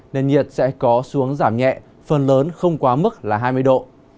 nền nhiệt sẽ có xuống giảm nhẹ phần lớn không quá mức là hai mươi độ